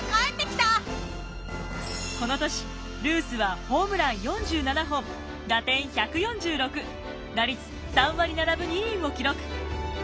この年ルースはホームラン４７本打点１４６打率３割７分２厘を記録。